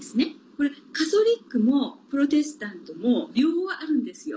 これ、カトリックもプロテスタントも両方あるんですよ。